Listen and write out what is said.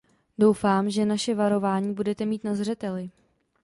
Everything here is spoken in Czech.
Doufám, že naše varování budete mít na zřeteli.